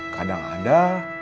kadang ada